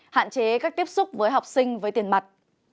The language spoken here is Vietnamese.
hạn chế các tiếp xúc với học sinh với tiền mặt